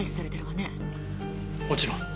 もちろん。